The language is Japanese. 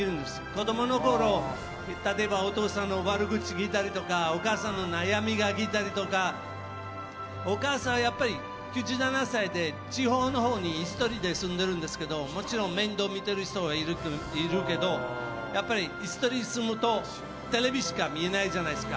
子供のころ、例えばお父さんの悪口聞いたりとかお母さんの悩みを聞いたりとかお母さんは９７歳で地方のほうに１人で住んでるんですけどもちろん面倒を見ている人はいるけどやっぱり、１人で住むとテレビしか見ないじゃないですか。